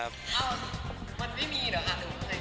เอ้ามันไม่มีเหรอค่ะ